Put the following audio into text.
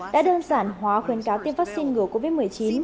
đã đơn giản hóa khuyến cáo tiêm vaccine ngừa covid một mươi chín